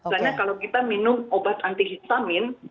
karena kalau kita minum obat anti hisamin